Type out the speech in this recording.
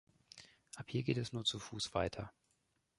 Ab hier geht es nur zu Fuß weiter.